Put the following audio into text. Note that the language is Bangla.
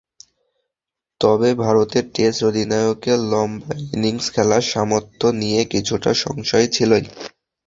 তবে ভারতের টেস্ট অধিনায়কের লম্বা ইনিংস খেলার সামর্থ্য নিয়ে কিছুটা সংশয় ছিলই।